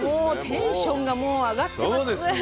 テンションがもう上がってます。